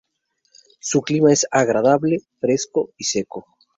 Su clima es agradable, fresco y seco.